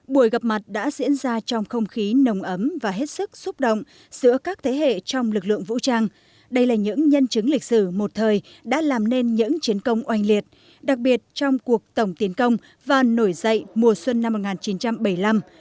buổi gặp mặt đã diễn ra trong không khí nồng ấm và hết sức xúc động giữa các thế hệ trong lực lượng vũ trang đây là những nhân chứng lịch sử một thời đã làm nên những chiến công oanh liệt đặc biệt trong cuộc tổng tiến công và nổi dậy mùa xuân năm một nghìn chín trăm bảy mươi năm